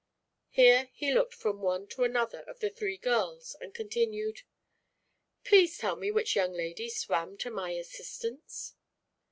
Here he looked from one to another of the three girls and continued: "Please tell me which young lady swam to my assistance."